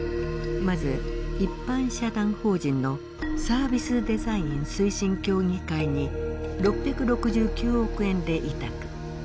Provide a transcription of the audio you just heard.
まず一般社団法人のサービスデザイン推進協議会に６６９億円で委託。